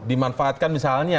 dimanfaatkan misalnya ya